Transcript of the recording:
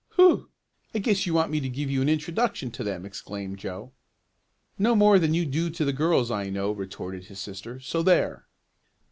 "Hu! I guess you want me to give you an introduction to them!" exclaimed Joe. "No more than you do to the girls I know," retorted his sister, "so there!"